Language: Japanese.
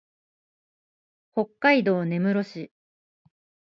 北海道根室市